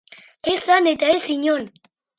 Ez han eta ez inon.